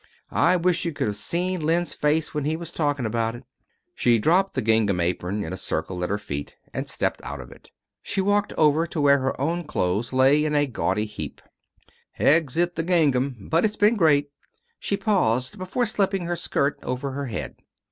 I wish you could have seen Len's face when he was talking about it." She dropped the gingham apron in a circle at her feet, and stepped out of it. She walked over to where her own clothes lay in a gaudy heap. "Exit the gingham. But it's been great." She paused before slipping her skirt over her head.